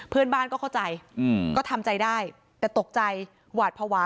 เพื่อนบ้านก็เข้าใจก็ทำใจได้แต่ตกใจหวาดภาวะ